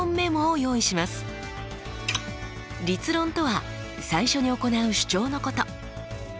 立論とは最初に行う主張のこと。